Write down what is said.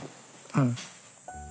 うん。